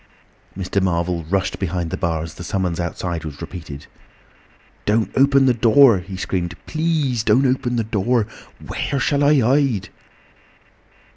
Mr. Marvel rushed behind the bar as the summons outside was repeated. "Don't open the door," he screamed. "Please don't open the door. Where shall I hide?"